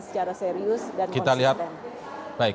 secara serius dan konsisten